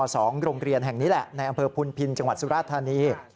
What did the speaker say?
โรงเรียนแห่งนี้แหละในอำเภอพุนพินจังหวัดสุราธานี